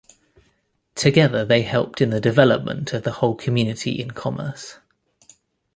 Together they helped in the development of the whole community in commerce.